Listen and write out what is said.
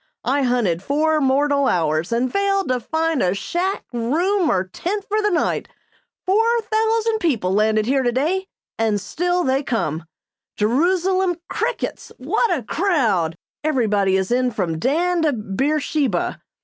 I hunted four mortal hours and failed to find a shack, room, or tent for the night. Four thousand people landed here today, and still they come. Jerusalem crickets! What a crowd! Everybody is in from Dan to Beersheba!